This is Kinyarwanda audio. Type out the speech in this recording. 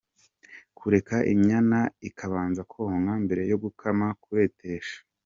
Kureka inyana ikabanza konka mbere yo gukama : Kuretesha.